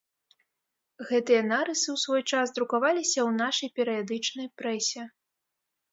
Гэтыя нарысы ў свой час друкаваліся ў нашай перыядычнай прэсе.